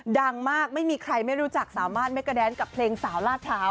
ดังมากไม่มีใครไม่รู้จักสามารถไม่กระแดนกับเพลงสาวลาดพร้าว